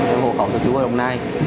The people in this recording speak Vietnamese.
em hồ khẩu từ chú ở đồng nai